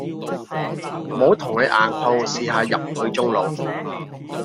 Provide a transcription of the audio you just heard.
唔好同佢硬碰，試下入佢中路